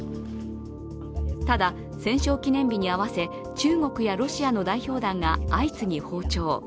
ただ、戦勝記念日に合わせ中国やロシアの代表団が相次ぎ訪朝。